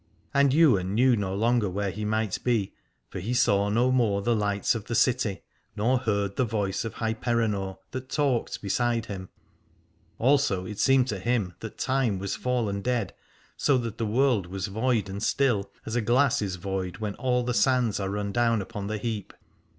And Ywain knew no longer where he might be, for he saw no more the lights of the city nor heard the voice of Hyperenor that talked beside him ; also it seemed to him that time was fallen dead, so that the world was void and still, as a glass is void when all the sands are run down upon the heap.